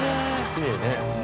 きれいね。